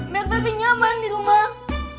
biar makin nyaman di rumah